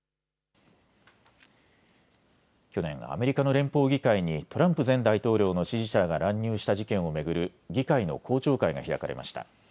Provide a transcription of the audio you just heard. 去年、アメリカの連邦議会にトランプ前大統領の支持者らが乱入した事件を巡る議会の公聴会が開かれました。